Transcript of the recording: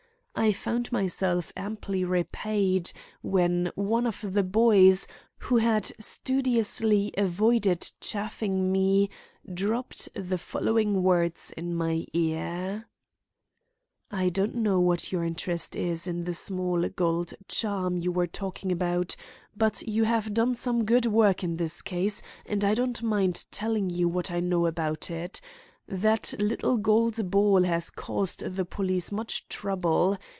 I found myself amply repaid when one of the boys who had studiously avoided chaffing me dropped the following words in my ear: "I don't know what your interest is in the small gold charm you were talking about, but you have done some good work in this case and I don't mind telling you what I know about it. That little gold ball has caused the police much trouble.